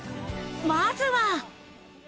まずは。